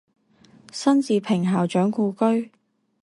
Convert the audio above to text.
辛志平校長故居